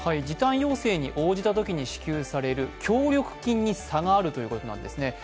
時短要請に応じたときにもらえる協力金に差があるということなんですね。